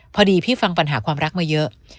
พอดีพี่ฟังปัญหาความรักมาเยอะ